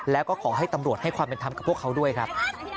แล้วก็ขอให้ตำรวจให้ความเป็นธรรมกับพวกเขาด้วยครับ